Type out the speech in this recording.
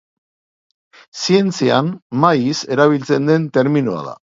Zientzian maiz erabiltzen den terminoa da.